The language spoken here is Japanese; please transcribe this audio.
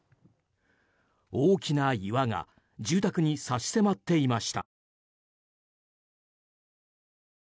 大きな岩が住宅に差し迫っていました。